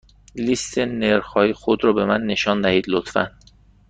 لیست نرخ های خود را به من نشان دهید، لطفا.